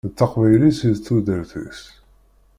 D taqbaylit i d tudert-is.